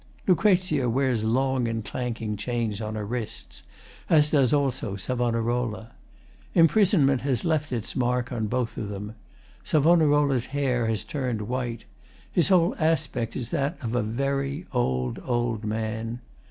LUCREZIA wears long and clanking chains on her wrists, as does also SAVONAROLA. Imprisonment has left its mark on both of them. SAVONAROLA'S hair has turned white. His whole aspect is that of a very old, old man.